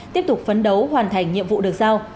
tiếp tục phấn đấu hoàn thành nhiệm vụ được giao